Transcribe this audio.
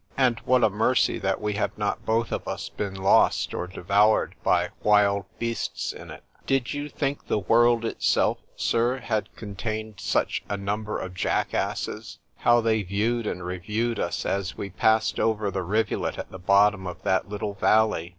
and what a mercy that we have not both of us been lost, or devoured by wild beasts in it! Did you think the world itself, Sir, had contained such a number of Jack Asses?——How they view'd and review'd us as we passed over the rivulet at the bottom of that little valley!